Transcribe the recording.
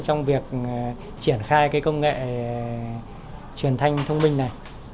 trong việc triển khai cái công nghệ truyền thanh thông minh này